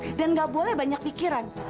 dan dia nggak boleh banyak pikiran